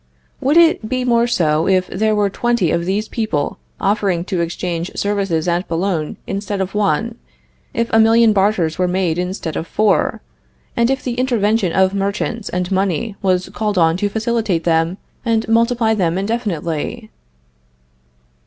Would it be more so if there were twenty of these people offering to exchange services at Boulogne instead of one; if a million barters were made instead of four; and if the intervention of merchants and money was called on to facilitate them and multiply them indefinitely?